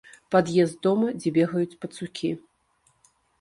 Пад'езд дома, дзе бегаюць пацукі.